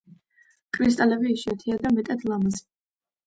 კრისტალები იშვიათია და მეტად ლამაზი.